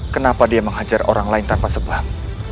kenapa dia menghajar orang lain tanpa sebab